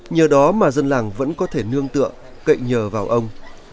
nhờ đó mà dân làng vẫn có thể nương tựa cậy nhờ vào ông